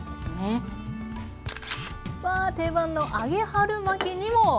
定番の揚げ春巻きにも。